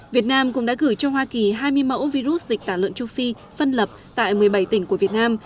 việt nam cũng đã gửi cho hoa kỳ hai mươi mẫu virus dịch tả lợn châu phi phân lập tại một mươi bảy tỉnh của việt nam